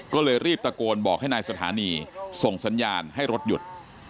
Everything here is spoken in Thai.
ก็เลยรีบตะโกนบอกให้นายสถานีส่งสัญญาณให้รถหยุด